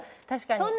確かに。